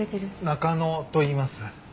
中野といいます。